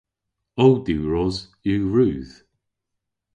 Ow diwros yw rudh.